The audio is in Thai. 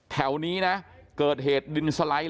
แถวนี้นะเกิดเหตุดินสไลด์